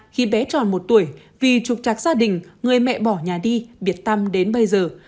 khi bé tròn một tuổi vì trục chặt gia đình người mẹ bỏ nhà đi biệt tâm đến bây giờ